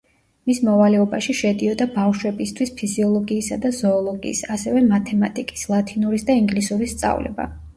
მის მოვალეობაში შედიოდა ბავშვებისთვის ფიზიოლოგიისა და ზოოლოგიის, ასევე მათემატიკის, ლათინურის და ინგლისურის სწავლება.